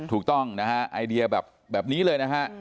ถูกต้องนะฮะไอเดียแบบนี้เลยนะฮะ